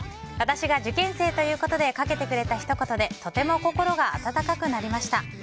私が受験生ということでかけてくれたひと言でとても心が温かくなりました。